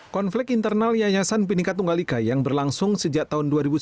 konflik internal yayasan binika tunggal ika yang berlangsung sejak tahun dua ribu sembilan belas